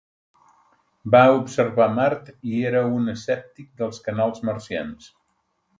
Va observar Mart i era un escèptic dels canals marcians.